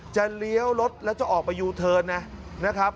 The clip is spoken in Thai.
เลี้ยวรถแล้วจะออกไปยูเทิร์นนะครับ